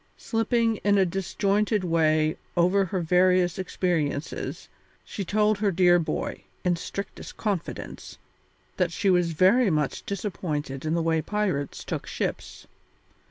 Slipping in a disjointed way over her various experiences, she told her dear boy, in strictest confidence, that she was very much disappointed in the way pirates took ships.